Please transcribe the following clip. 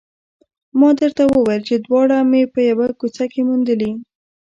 ما درته وویل چې دواړه مې په یوه کوڅه کې موندلي